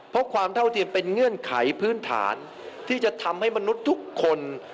เพราะความเท่าเทียมเป็นเงื่อนไขพื้นฐานที่จะทำให้มนุษย์ทุกคน